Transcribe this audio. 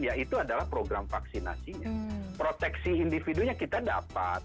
ya itu adalah program vaksinasi proteksi individunya kita dapat